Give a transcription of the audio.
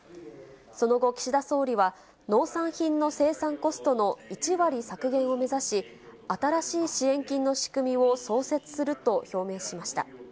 その後、岸田総理は、農産品の生産コストの１割削減を目指し、新しい支援金の仕組みを創設すると表明しました。